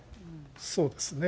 そうですね。